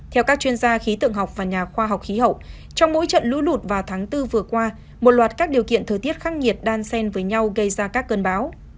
theo các chuyên gia khí tượng học và nhà khoa học khí hậu trong mỗi trận lũ lụt vào tháng bốn vừa qua một loạt các điều kiện thời tiết khắc nghiệt đan sen với nhau gây ra các cơn bão